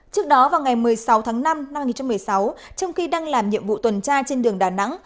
trước đó vào ngày một mươi sáu tháng năm năm hai nghìn một mươi sáu trong khi đang làm nhiệm vụ tuần tra trên đường đà nẵng